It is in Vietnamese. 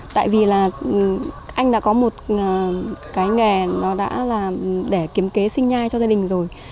tại vì là anh đã có một cái nghề nó đã là để kiếm kế sinh nhai cho gia đình rồi